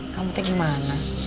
kamu tau gimana